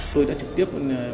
tôi đã trực tiếp